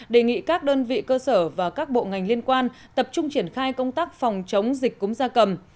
đề nghị các đơn vị cơ sở và các bộ ngành liên quan tập trung triển khai công tác phòng chống dịch cúm da cầm